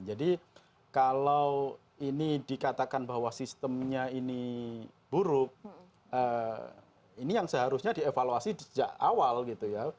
jadi kalau ini dikatakan bahwa sistemnya ini buruk ini yang seharusnya dievaluasi sejak awal gitu ya